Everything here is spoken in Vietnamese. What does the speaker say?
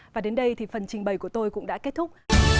và đến đây thì phần trình bày của tôi cũng đã kết thúc